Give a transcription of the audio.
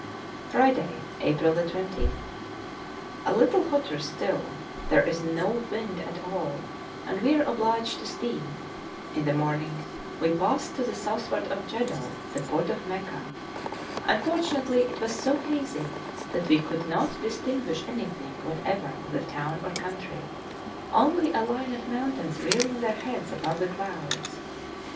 Friday, April 20th. A little hotter still; there is no wind at all, and we are obliged to steam. In the morning we passed to the southward of Jeddo, the port of Mecca. Unfortunately it was so hazy that we could not distinguish anything whatever of the town or country, only a line of mountains rearing their heads above the clouds.